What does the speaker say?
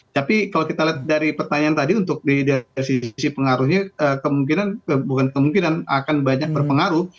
tapi kalau kita lihat dari pertanyaan tadi untuk dari sisi pengaruhnya kemungkinan bukan kemungkinan akan banyak berpengaruh